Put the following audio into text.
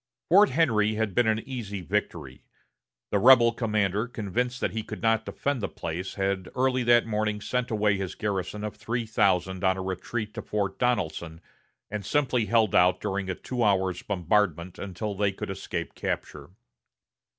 Fort Henry had been an easy victory. The rebel commander, convinced that he could not defend the place, had early that morning sent away his garrison of three thousand on a retreat to Fort Donelson, and simply held out during a two hours' bombardment until they could escape capture.